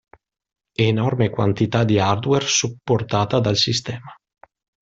Enorme quantità di hardware supportata dal sistema.